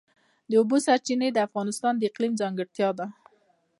د اوبو سرچینې د افغانستان د اقلیم ځانګړتیا ده.